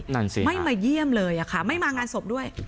นั่นสิไม่มาเยี่ยมเลยค่ะไม่มางานศพด้วย